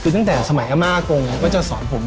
คือตั้งแต่สมัยอาม่ากงก็จะสอนผม